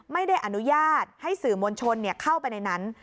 ไม่ได้อนุญาตให้สื่อมวลชนเข้าไปในนั้น